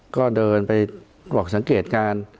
ก็เดินไปกรอกสังเกตการ